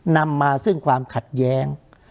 นำมาซึ่งความขัดแย้ง